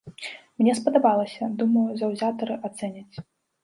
Мне спадабалася, думаю, заўзятары ацэняць.